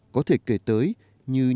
có thể kể tới như nhớ em dọc đường hành quân